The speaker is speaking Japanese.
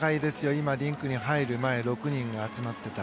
今、リンクに入る前６人が集まっていた。